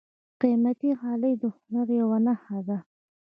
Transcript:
قیمتي غالۍ د هنر یوه نښه ده.